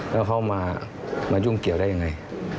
แล้วเขามายุ่งเกี่ยวได้ยังไง